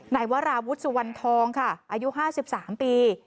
นายวราวุฒิสุวรรณทองค่ะอายุ๕๓ปี